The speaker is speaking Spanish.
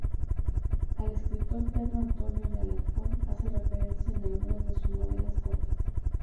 El escritor Pedro Antonio de Alarcón hace referencia en algunas de sus novelas cortas.